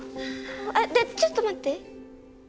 あっちょっと待って。